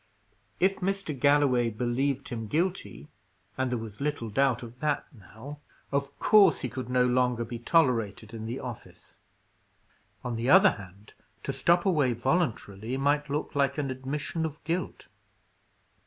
If Mr. Galloway believed him guilty and there was little doubt of that, now of course he could no longer be tolerated in the office. On the other hand, to stop away voluntarily, might look like an admission of guilt.